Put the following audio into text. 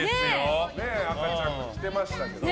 赤ちゃんも着てましたけど。